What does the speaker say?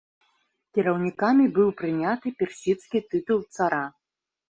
Кіраўнікамі быў прыняты персідскі тытул цара.